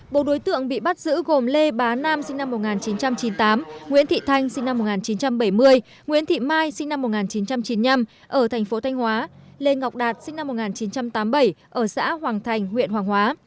bộ đối tượng bị bắt giữ gồm lê bá nam sinh năm một nghìn chín trăm chín mươi tám nguyễn thị thanh sinh năm một nghìn chín trăm bảy mươi nguyễn thị mai sinh năm một nghìn chín trăm chín mươi năm ở thành phố thanh hóa lê ngọc đạt sinh năm một nghìn chín trăm tám mươi bảy ở xã hoàng thành huyện hoàng hóa